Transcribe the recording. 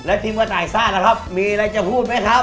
ทีมกระต่ายซ่าล่ะครับมีอะไรจะพูดไหมครับ